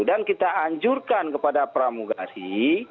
dan kita anjurkan kepada pramugari